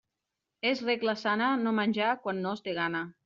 És regla sana no menjar quan no es té gana.